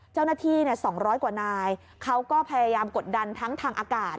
เจ้าหน้าที่๒๐๐กว่านายเขาก็พยายามกดดันทั้งทางอากาศ